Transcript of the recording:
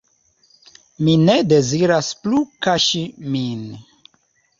Mi ne deziras plu kaŝi min.